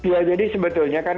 ya jadi sebetulnya kan